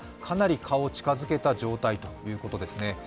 かなり顔を近づけた状態ということですね。